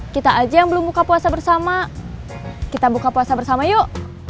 kita aja yang belum buka puasa bersama kita buka puasa bersama yuk